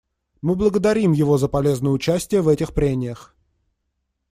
Мы благодарим его за полезное участие в этих прениях.